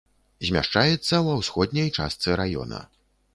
Змяшчаецца ва ўсходняй частцы раёна.